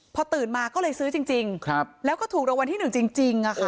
พอตื่นมาก็เลยซื้อจริงจริงครับแล้วก็ถูกรางวัลที่หนึ่งจริงจริงอ่ะค่ะ